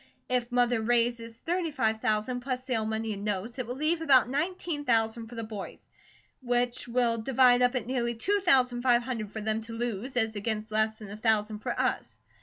If Mother raises thirty five thousand, plus sale money and notes, it will leave about nineteen thousand for the boys, which will divide up at nearly two thousand five hundred for them to lose, as against less than a thousand for us.